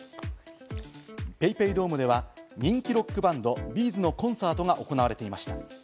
ＰａｙＰａｙドームでは人気ロックバンドＢ’ｚのコンサートが行われていました。